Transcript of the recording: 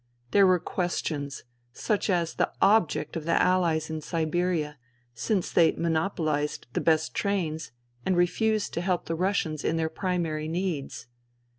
There were questions, such as the " object " of the Allies in Siberia, since they monopolized the best trains and refused to help the Russians in their primary needs.